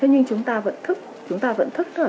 thế nhưng chúng ta vẫn thức chúng ta vẫn thức thở